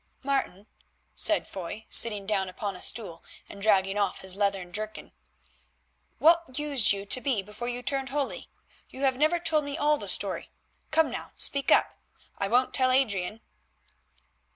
"Martin," said Foy, sitting down upon a stool and dragging off his leather jerkin, "what used you to do before you turned holy? You have never told me all the story. Come now, speak up. I won't tell Adrian."